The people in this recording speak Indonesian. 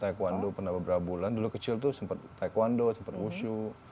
taekwondo pernah beberapa bulan dulu kecil tuh sempat taekwondo sempat wushu